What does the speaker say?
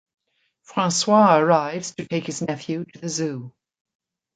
Francois arrives to take his nephew to the zoo.